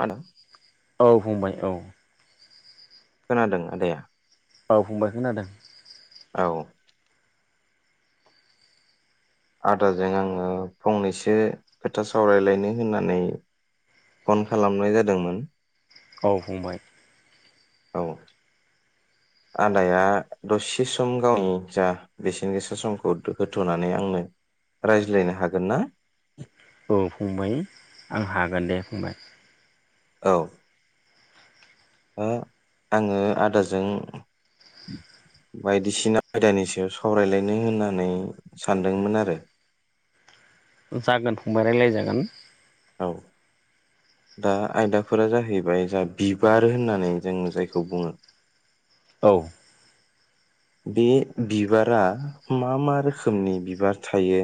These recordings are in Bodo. आदा औ फंबाय औ खोनादों आदाया? औ फंबाय खोनादों। औ आदाजों आङो फंनैसो खोथा सावरायलायनो होननानै फन खालामनाय जादोंमोन। औ फंबाय औ आदाया दसे सम गावनि जा बेसेन गोसा समखौ होथ'नानै आंनो रायज्लायनो हागोन ना? औ फंबाय आं हागोन दे फंबाय। औ ओ आङो आदाजों बायदिसिना आयदानि सायाव सावरायलायनो होननानै सानदोंमोन आरो जागोन फंबाय रायलाय जागोन। औ दा आयदाफोरा जाहैबाय जा बिबार होननानै जों जायखौ बुङो औ बे बिबारा मा मा रोखोमनि बिबार थायो।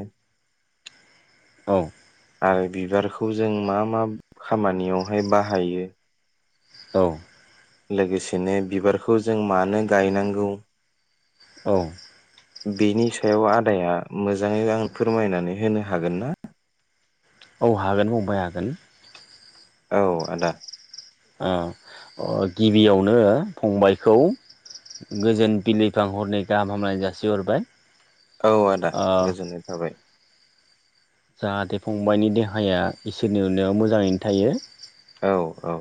औ। आरो बिबारखौ जों मा मा खामानियावहाय बाहायो। औ। लोगोसेनो बिबारखौ जों मानो गायनांगौ औ बेनि सायाव आदाया मोजाङै आं फोरमायनानै होनो हागोन ना? औ हागोन फंबाय हागोन। औ आदा। ओ अ गिबियावनो फंबायखौ गोजोन बिलिफांहरनि गाहाम हामलाय जासिहरबाय। औ आदा ओ गोजोननाय थाबाय। जाहाथे फंबायाइनि देहाया इसोरनि अननायाव मोजाङैनो थायो। औ औ।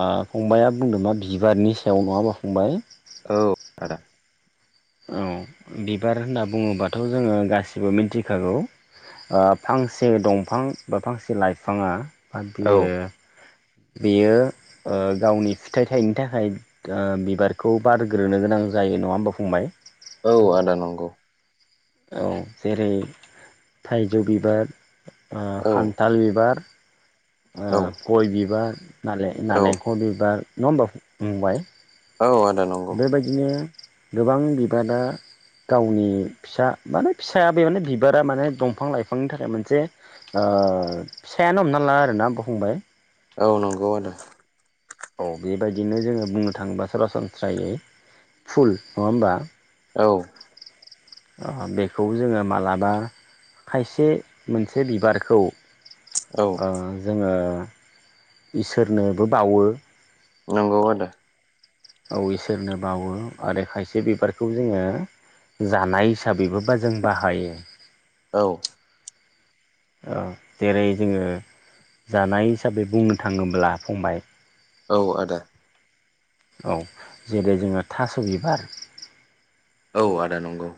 ओ फंबाया बुंदों मा बिबारनि सायाव नङा होनबा फंबाय। औ आदा। औ बिबार होनना बुङोबाथ' जोङो गासिबो मिथिखागौ ओ फांसे दंफां बा फांसे लाइफाङा [unintelligible] औ बेयो ओ गावनि फिथाइ थायनो थाखाय ओ बिबारखौ बारग्रोनो गोनां जायो नङा होनबा फंबाय। औ आदा नंगौ। औ जेरै थाइजौ बिबार ओ औ खान्थाल बिबार औ ओ गय बिबार नाले औ नारेंखल बिबार नंङा होनबा फंबाय। औ आदा नंगौ बे बायदिनो गोबां बिबारा गावनि फिसा माने फिसाया बे माने बिबारा माने दंफां लाइफांनि थाखाय मोनसे ओ फिसायानो हमना ला आरोना फंबाय। औ नंगौ आदा। औ बेबायदिनो जोङो बुंनो थाङोबा सरासनस्रायै फुल नङा होमबा। औ। बेखौ जोङो मालाबा खायसे मोनसे बिबारखौ औ ओ जोङो इसोरनोबो बावो। नंगौ आदा। इसोरनो बावो आरो खायसे बिबारखौ जोङो जानाय हिसाबैबो बा जों बाहायो। औ। औ जेरै जोङो जानाय हिसाबै बुंनो थाङोब्ला फंबाय औ आदा। औ जेरै जोङो थास' बिबार औ आदा नंगौ।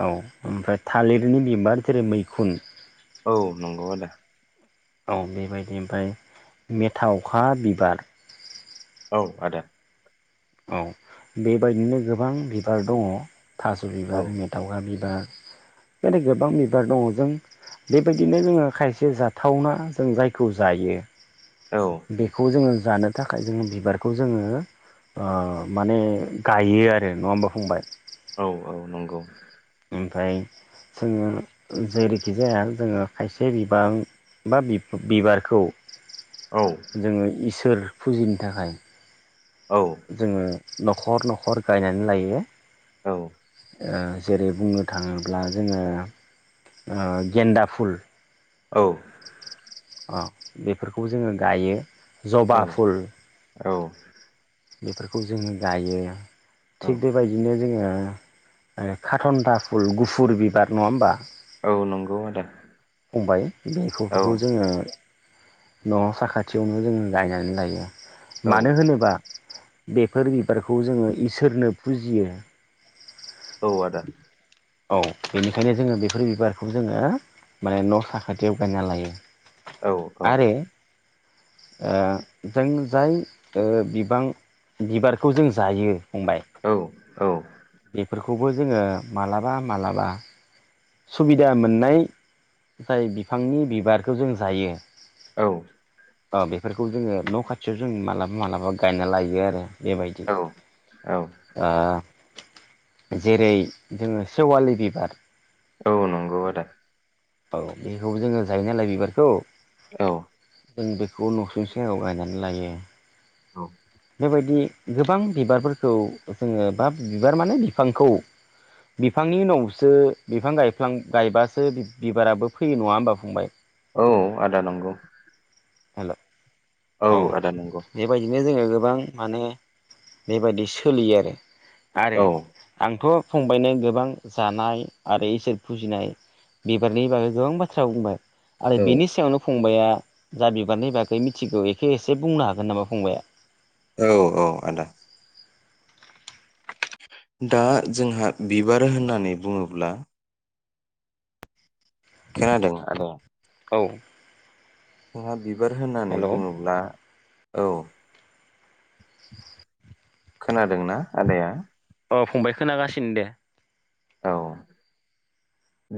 औ ओमफ्राय थालिरनि बिबार जेरै मैखुन औ नंगौ आदा। औ बेबायदि ओमफ्राय मेथावखा बिबार औ आदा। औ बेबायदिनो गोबां बिबार दङ। थास' औ बिबार मेथखा बिबार ओ बे गोबां बिबार दङ जों बेबायदिनो जोङो खायसे जाथावना जों जायखौ जायो। बेखौ जोङो जानो। थाखाय जोङो बिबारखौ जोङो ओ माने गायो आरो नङा होमबा फंबाय। औ औ नंगौ। ओमफ्राय जोङो जेरैखि जाया जोङो खायसे बिबां बा बि बिबारखौ औ जोङो इसोर फुजिनो थाखाय। औ जोङो। न'खर न'खर गायनानै लायो। औ। जेरै बुंनो थाङोब्ला जोङो गेन्दा फुल औ। अ बेफोरखौ जोङो गायो। जबा फुल। औ। बेफोरखौ जोङो गायो। औ थिग बेबायदिनो जोङो। खाथन्था फुल गुफुर बिबार नङा होमबा। औ नंगौ आदा। फंबाइ। बेखौथ औ जोंओ न' साखाथियावनो जोङो गायनानै लायो। औ मानो होनोबा बेफोर गि बिबारखौ जोङो इसोरनो फुजियो। औ आदा। औ बेनिखायनो जोङो बेफोर बिबारखौ जोङो माने न' साखाथियाव गायना लायो। औ औ। आरो ओ जों जाय बिबां बिबारखौ जों जायो। औ। औ। बेफोर खौबो जोङो मालाबा मालाबा सुबिदा मोननाय जाय बिफांनि बिबारखौ जों जायो। औ। औ बेफोरखौ जोङो न' खाथियाव जों मालाबा मालाबा गायना लायो आरो‌। बेबायदि ओ। जेरै जोङो सेवालि बिबार औ नोंगौ आदा। औ बेखौबो जोङो जायो नालाय बिबारखौ। औ। जों बेखौ न'सुं सेराव गायनानै लायो। औ। बेबायदि गोबां बिबारफोरखौ जोङो बा बिबार माने बिफांखौ बिफांनि उनावसो बिफां गायफ्लां गायबासो बि बिबाराबो फैयो नङा होनबा फंबाय? औ आदा नंगौ। हेल'। औ आदा नंगौ। फाय जोङो गोबां माने बेबायदि सोलियो आरो। आरो औ आंथ' फंबायनो गोबां जानाय आरो इसोर फुजिनाय बिबारनि बागै गोबां बाथ्रा बुंबाय। आरो बेनि सायावनो फं बाइया जा बिबारनि बाखै मिथिगौ ए खो एसे बुंनो हागोन नामा फंबाया? औ औ आदा। दा जोंहा बिबार होननानै बुङोब्ला खोनादों आदाया? औ [unintelligible] बिबार होननानै हेल' बुङोब्ला औ। खोनादोंना आदाया? अ फंबाय खोनागासिनो दे। औ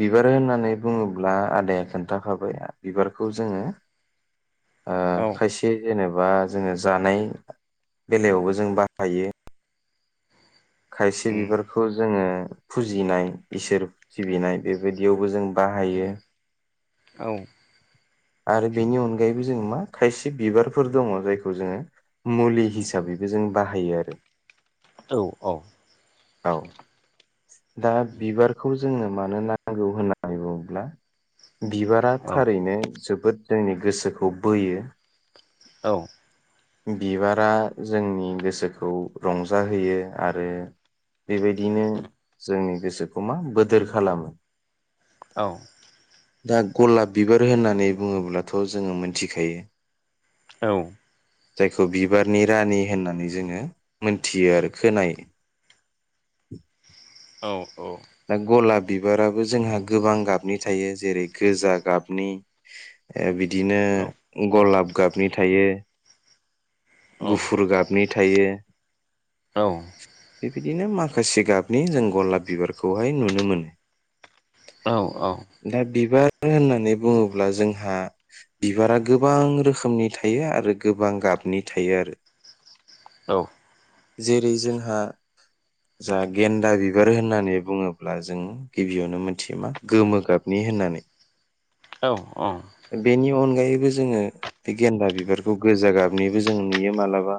बिबार होननानै बुङोब्ला आदाया खोन्थाखाबाय बिबारखौ जोङो ओ औ खायसे जेनेब बा जोङो जानाय बेलायावबो जों बाहायो। खायसे उम बिबारखौ जोङो फुजिनाय इसोर सिबिनाय बेबायदियावबो जों बाहायो। औ। आरो बेनि अनगायैबो जों मा खायसे बिबारफोर दोङ जायखौ जोङो मुलि हिसाबैबो जों बाहायो आरो। औ औ। औ। दा बिबारखौ जोंनो मानो नांगौ होननानै बुङोब्ला बिबारा औ थारैनो जोबोद जोंनि गोसोखौ बोयो। औ। बिबारा जोंनि गोसोखौ रंजाहोयो आरो बेबायदिनो जोंनि गोसोखौ मा बोदोर खालामो। औ दा गलाब बिबार होननानै बुङोब्लाथ जोङो मोनथिखायो। औ जायखौ बिबारनि रानि होननानै जोंङो मोनथियो आरो खोनायो। औ औ दा गलाब बिबाराबो जोंहा गोबां गाबनि थायो जेरै गोजा गाबनि ओ बि दिनो गलाब गाबनि थायो गुफुर गाबनि थायो बिदिनो माखासे गाबनि जों गलाब बिबार खौहाय नुनो मोनो। औ औ बार होननानै बुङोब्ला जोंहा बिबारा गोबां रोखोमनि थायो। आरो गोबां गाबनि थायो आरो औ जेरै जोंहा जा गेन्दा बिबार होननानै बुङोब्ला जों गिबियावनो मोनथियोमा गोमो गाबनि होननानै औ औ बेनि अनगायैबो जोङो बे गेन्दा बिबारखौ गोजा गाबनिबो जों नुयो मालाबा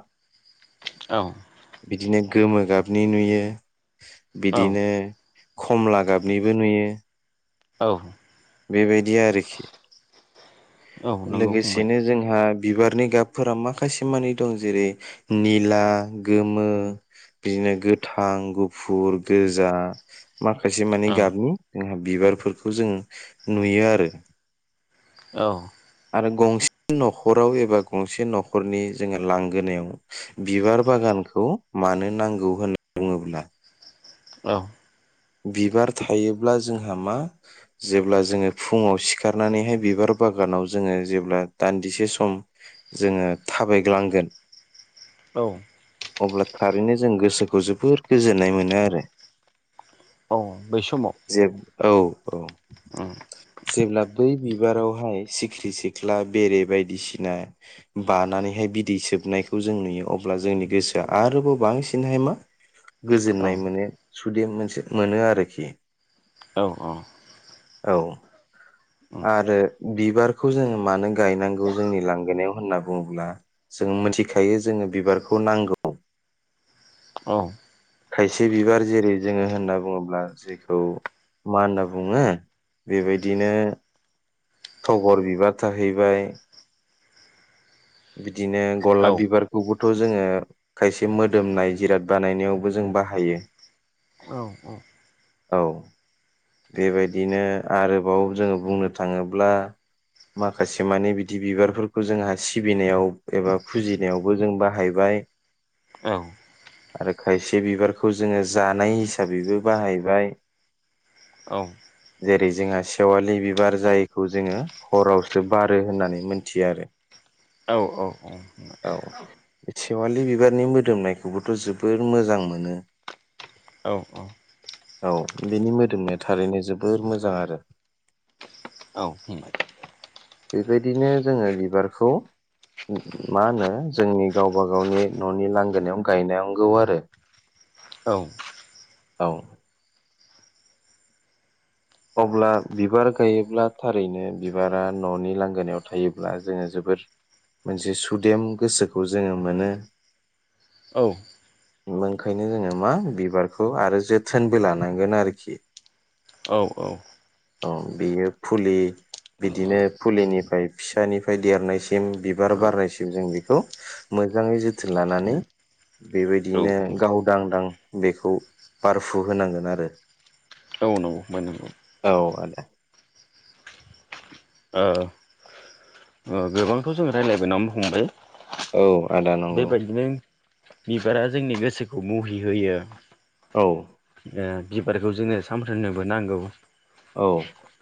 औ दिनो गोमो गाबनि नुयो। बिदिनो खमला गाबनिबो नुयो‌। औ बेबायदि आरोखि औ नंगौ फंबाय लोगोसेनो जोंहा बिबारनि गाबफोरा माखासे मानि दं जेरै निला गोमो बिदिनो गोथां गुफुर गोजा। माखासे मानि औ गाबनि जोंहा बिबारफोरखौ जों नुयो आरो औ रो गंसे नखराव एबा गंसे नखरनि जोंङो लांगोनायाव बिबार बागानखौ मानो नांगौ होनना बुङोब्ला औ बिबार थायोब्ला जोंहा मा जेब्ला जोंङो फुङाव सिखारनानैहाय बिबार बागानाव जोंङो जेब्ला दान्दिसे सम जोङो थाबायग्लांगोन औ अब्ला थारैनो जों गोसोखौ जोबोर गोजोननाय मोनो आरो औ बै समाव जे औ औ उम जेब्ला बै बिबाराव हाय सिख्रि सिख्ला बेरे बायदिसिना बानानैहाय बिदै सोबनायखौ जों नुयो अब्ला जोंनि गोसोआ आरोबाव बांसिनहाय मा औ गोजोननाय मोनो सुदेम मोनसे मोनो आरोखि। औ औ औ उम आरो बिबारखौ जोंङो मानो गायनांगौ जोंनि लांगोनायाव होनना बुंङोब्ला जों मोनथिखायो जोंङो बिबारखौ नांगौ औ खायसे बिबार जेरै - जोंङो होनना बुंङोब्ला जेखौ मा होनना बुंङो बेबायदिनो थगर बिबार थाहैबाय। बिदिनो औ गलाब बिबार खौबोथ जोंङो खायसे मोदोमनाय जिराद बानायनायावबो जों बाहायो। औ बेबायदिनो आरोबाव जोंङो बुंनो थांङोब्ला माखासे मानि बिदि बिबारफोरखौ जोंङो सिबिनायाव एबा फुजिनायावबो जों बाहायबाय। औ आरो खायसे बिबारखौ जोंङो जानाय हिसाबैबो बाहाय बाय जेरै जोंहा सेवालि बिबार जायखौ जोंङो हरावसो बारो होननानै मोनथियो आरो, औ सेवालि बिबारनि मोदोमनायखौबोथ जोबोर मोजां मोनो। औ औ औ बिनि मोदोमा थारैनो जोबोर मोजां आरो औ फंबाय बेबायदिनो जोंङो बिबारखौ मा होनो जोंनि गावबा गावनि ननि लांगोनायाव गायननांगौ आरो। औ औ अब्ला बिबार गायोब्ला थारैनो बिबारा ननि लांगोनायाव थायोब्ला जोंङो जोबोर मोनसे सुदेम गोसोखौ जोंङो मोनो औ नोंखायनो जोंङो मा बिबारखौ आरो जोथोनबो लानांगोन आरोखि। औ अ। बेयो फुलि बिदिनो फुलिनिफ्राय फिसानिफ्राय देरनायसिम बिबार बारनायसिम जों बेखौ मोजांङै जोथोन लानानै औ फंबाय औ बेबायदिनो गावदांदां बेखौ बारफु होनांगोन आरो नंगौ फंबाय नंगौ औ आ दे ओ ओ गोबांथ जों रायलायबोना हमबाय। औ आदा नंगौ बेबायदिनो बिबारा जोंनि गोसो खौ मुहि होयो। औ ओ बिबारखौ जोंनो सानफ्रोमनोबो नांगौ। औ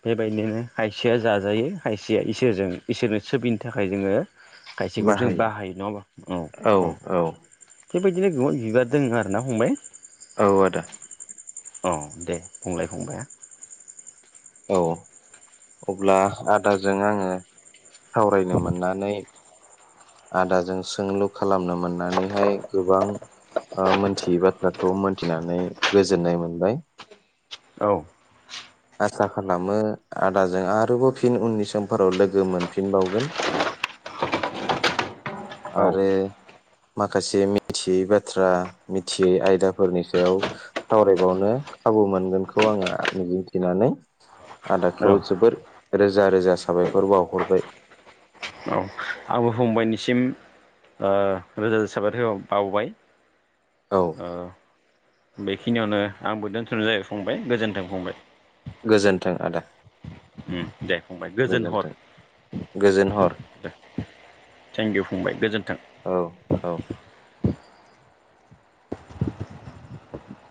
बे बायदिनो खायसेया जाजायो खायसेया इसोरजों इसोरनो सिबिनो थाखाय जोंङो खायसेखौ जों बाहायो नंङा होम औ औ बेबायदिनो गोबां बिबार दों आरोना फंबाय। औ आदा। अ दे बुंंलाय फंबाइ आ औ अब्ला आदाजों आंङो सावरायनो मोननानै आदाजों सोंलु खालामनो मोननानैहाय गोबां ओ मोनथियै बाथ्राखौ मोनथिनानै गोजोननाय मोनबाय। औ आसा खालामो आदाजों आरोबाव फिन उननि समफोराव लोगो मोनफिनबावगोन औ आरो माखासे मिथियै बाथ्रा मिथियै आयदाफोरनि सायाव सावरायबावनो खाबु मोनगोनखौ आंङो मिजिंथिनानै आदाखौ औ जोबोद रोजा रोजा साबायखर बाउहरबाय। फंबाइनिसिम ओ रोजा रोजा साबायदखर बाउबाय। औ बेखिनियावनो आंबो दोनथनाय जाबाय फंबाइ गोजोन्थों फंबाइ। गोजोन्थों आदा। उम दे फंबाय गोजोन हर गोजोनथों गोजोन उम हर। दे थेंक इउ फंबाइ गोजोन्थों। औ औ